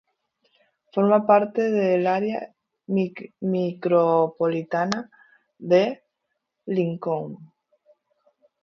Forma parte del área micropolitana de Lincoln.